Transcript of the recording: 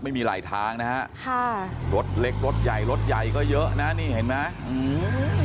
ไม่มีหลายทางนะฮะค่ะรถเล็กรถใหญ่รถใหญ่ก็เยอะนะนี่เห็นไหมอืม